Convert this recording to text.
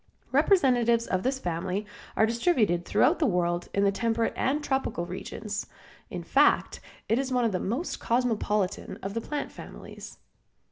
Representatives of this family are distributed throughout the world in the temperate and tropical regions. In fact, it is one of the most cosmopolitan of the plant families.